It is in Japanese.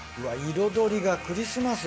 彩りがクリスマス。